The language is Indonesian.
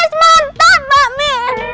ya mantap pak me